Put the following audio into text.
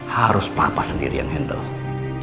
harus papa sendiri yang handle